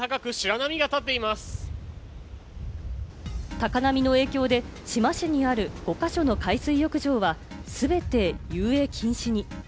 高波の影響で志摩市にある５か所の海水浴場は全て遊泳禁止に。